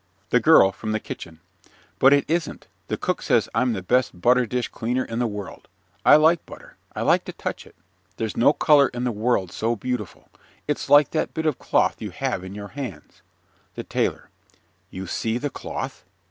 THE GIRL FROM THE KITCHEN But it isn't. The cook says I'm the best butter dish cleaner in the world. I like butter. I like to touch it. There's no color in the world so beautiful. It's like that bit of cloth you have in your hands. THE TAILOR You see the cloth?